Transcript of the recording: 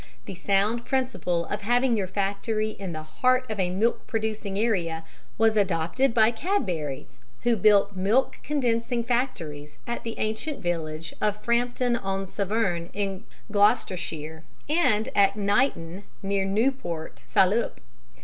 The sound principle of having your factory in the heart of a milk producing area was adopted by Cadbury's, who built milk condensing factories at the ancient village of Frampton on Severn, in Gloucestershire, and at Knighton, near Newport, Salop.